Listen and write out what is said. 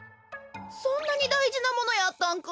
そんなにだいじなものやったんか？